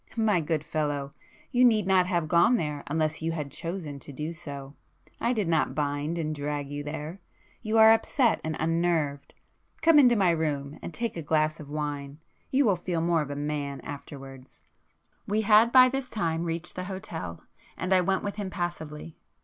My good fellow, you need not have gone there unless you had chosen to do so! I did not bind and drag you there! You are upset and unnerved,—come into my room and take a glass of wine,—you will feel more of a man afterwards." We had by this time reached the hotel, and I went with him passively.